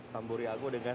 tamburi aku dengan